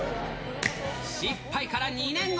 失敗から２年後。